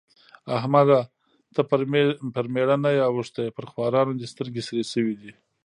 احمده! ته پر مېړه نه يې اوښتی؛ پر خوارانو دې سترګې سرې شوې دي.